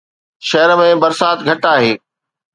شهر ۾ برسات گهٽ آهي